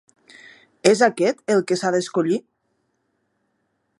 És aquest el que s"ha d"escollir?